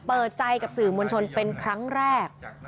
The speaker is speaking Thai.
เปิดใจกับสื่อมวลชนเป็นครั้งแรก